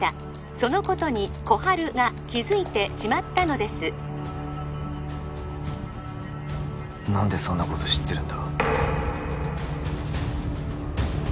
そのことに心春が気づいてしまったのです何でそんなこと知ってるんだ